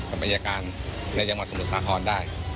กับอายการในจังหวัดสมุทรสาครได้